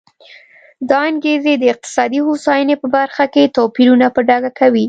دا انګېزې د اقتصادي هوساینې په برخه کې توپیرونه په ډاګه کوي.